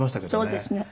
そうですね。